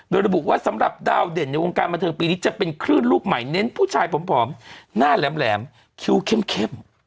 โดยระบุว่าสำหรับดาวเด่นในวงการบันเทิงปีนี้จะเป็นคลื่นลูกใหม่เน้นผู้ชายผอมหน้าแหลมคิ้วเข้ม